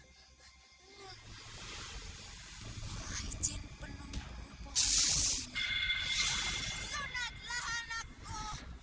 kau sebanyaknya nanya